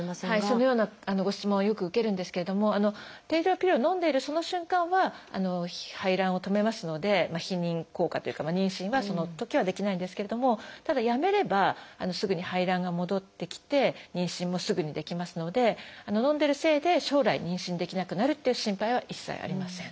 そのようなご質問はよく受けるんですけれども低用量ピルをのんでいるその瞬間は排卵を止めますので避妊効果というか妊娠はそのときはできないんですけれどもただやめればすぐに排卵が戻ってきて妊娠もすぐにできますのでのんでるせいで将来妊娠できなくなるっていう心配は一切ありません。